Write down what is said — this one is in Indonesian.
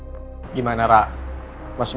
padahal dia udah gak masukan acara gue semalem